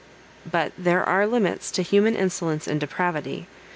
But there are limits to human insolence and depravity.